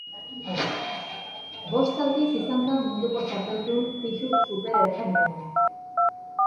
Bost aldiz izan da munduko txapeldun pisu superertainean.